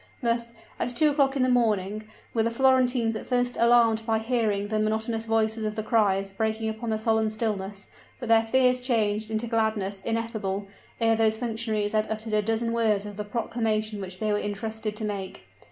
Thus, at two o'clock in the morning, were the Florentines at first alarmed by hearing the monotonous voices of the criers breaking upon the solemn stillness; but their fear changed into gladness ineffable, ere those functionaries had uttered a dozen words of the proclamation which they were intrusted to make.